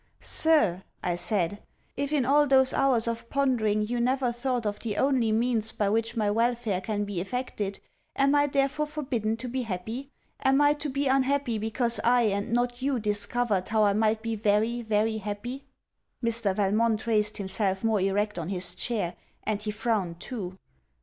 'Sir,' I said, 'if in all those hours of pondering you never thought of the only means by which my welfare can be effected, am I therefore forbidden to be happy? Am I to be unhappy, because I and not you discovered how I might be very, very happy?' Mr. Valmont raised himself more erect on his chair; and he frowned too.